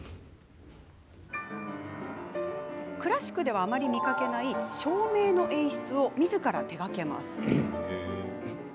クラシックではあまり見かけない照明の演出をみずから手がけます。